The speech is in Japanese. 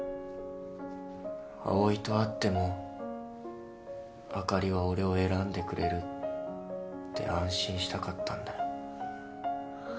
葵と会ってもあかりは俺を選んでくれるって安心したかったんだよ。